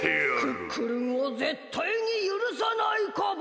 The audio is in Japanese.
クックルンをぜったいにゆるさないカボ！